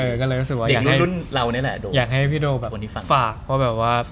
เออก็เลยรู้สึกว่าอยากให้อยากให้พี่โด่ฝากว่าแบบว่า